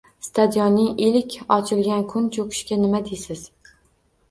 Stadionning ilk ochilgan kun cho'kishiga nima deysiz?